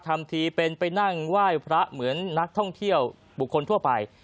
ทำทีเป็นไปนั่งไหว้พระเหมือนนักท่องเที่ยวบุคคลทั่วไป